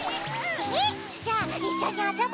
エヘっじゃあいっしょにあそぼ！